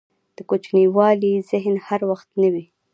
دکوچنیوالي ذهن هر وخت نه وي.